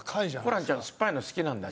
ホランちゃんすっぱいの好きなんだ？